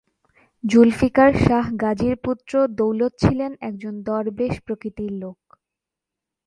জুলফিকার শাহ গাজীর পুত্র দৌলত ছিলেন একজন দরবেশ প্রকৃতির লোক।